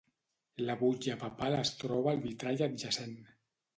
La butlla papal es troba al vitrall adjacent.